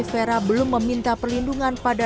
vera belum meminta perlindungan pada